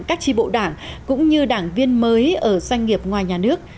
các tri bộ đảng cũng như đảng viên mới ở doanh nghiệp ngoài nhà nước